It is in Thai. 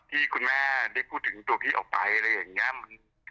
ที่คุณแม่ได้พูดถึงตัวพี่ออกไปอะไรอย่างนี้